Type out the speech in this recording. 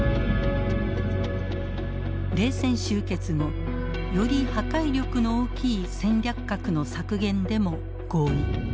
冷戦終結後より破壊力の大きい戦略核の削減でも合意。